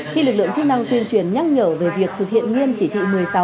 khi lực lượng chức năng tuyên truyền nhắc nhở về việc thực hiện nghiêm chỉ thị một mươi sáu